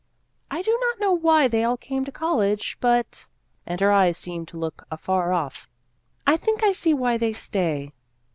" I do not know why they all came to college, but " and her eyes seemed to look afar off " I think I see why they stay."